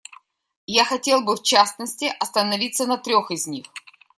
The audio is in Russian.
Я хотел бы, в частности, остановиться на трех из них.